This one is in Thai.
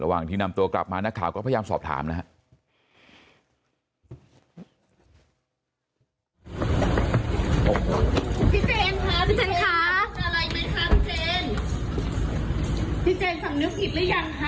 ระหว่างที่นำตัวกลับมานักข่าวก็พยายามสอบถามนะฮะ